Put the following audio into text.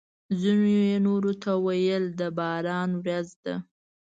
ځینو یې نورو ته ویل: د باران ورېځ ده!